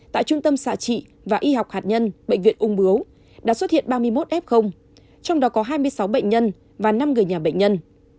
tại trung tâm xạ trị và y học hạt nhân bệnh viện ung bướu đã xuất hiện ba mươi một f trong đó có hai mươi sáu bệnh nhân và năm người nhà bệnh nhân